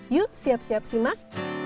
yuk siap siap simak